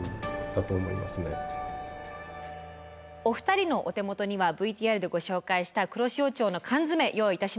お二人のお手元にはＶＴＲでご紹介した黒潮町の缶詰用意